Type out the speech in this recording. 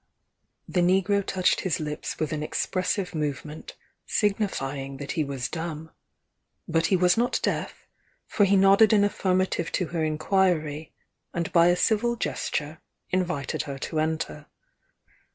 The negro touched his lips with an expressive movement signifying that he was dumb, — but he was not deaf, for he nodded an aflBrmative to her inquiry, and by a civil gesture invited her to enter.